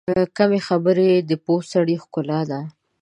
کمې خبرې، د پوه سړي ښکلا ده.